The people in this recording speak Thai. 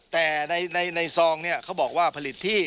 แต่ในซองเนี่ยเขาบอกว่าผลิตที่